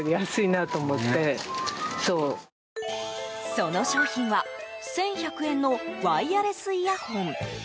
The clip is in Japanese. その商品は、１１００円のワイヤレスイヤホン。